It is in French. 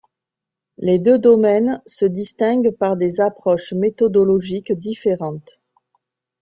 Les deux domaines se distinguent par des approches méthodologiques différentes.